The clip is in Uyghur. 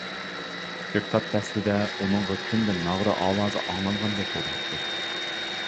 كۆكتات پەسلىدە ئۇنىڭغا كۈندە ناغرا ئاۋازى ئاڭلانغاندەك بولاتتى.